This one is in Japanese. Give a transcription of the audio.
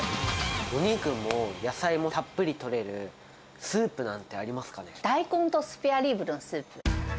お肉も野菜もたっぷりとれる大根とスペアリブのスープ。